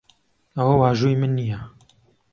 ئەوە واژووی من نییە.